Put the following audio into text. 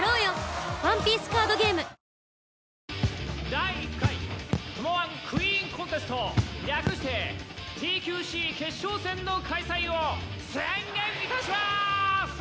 第１回友１クイーンコンテスト略してＴＱＣ決勝戦の開催を宣言いたしまーす！